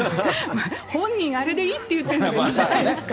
本人あれでいいって言ってんですから、いいじゃないですか。